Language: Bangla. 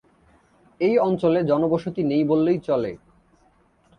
এই অঞ্চলে জনবসতি নেই বললেই চলে।